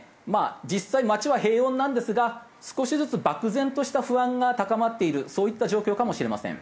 実際街は平穏なんですが少しずつ漠然とした不安が高まっているそういった状況かもしれません。